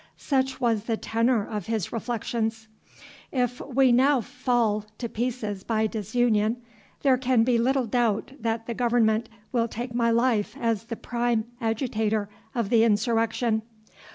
Such was the tenor of his reflections. "If we now fall to pieces by disunion, there can be little doubt that the government will take my life as the prime agitator of the insurrection.